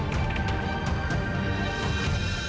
tahlilan itu biasa